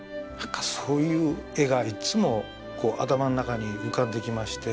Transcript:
そういう画がいつも頭の中に浮かんできまして。